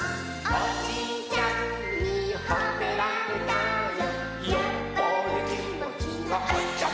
「おばあちゃんにほめられたよ」